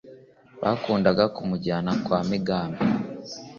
bakundaga kumujyana kwa Migambi